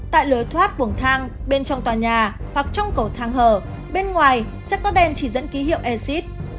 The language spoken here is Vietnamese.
tại lối thoát buồng thang bên trong tòa nhà hoặc trong cầu thang hờ bên ngoài sẽ có đèn chỉ dẫn kí hiệu exit